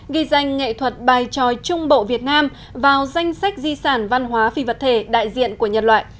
ghi danh nghệ thuật bài tròi trung bộ việt nam vào danh sách di sản văn hóa phi vật thể đại diện của nhân loại